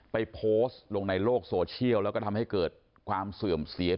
ไปโพสต์ลงในโลกโซเชียลแล้วก็ทำให้เกิดความเสื่อมเสีย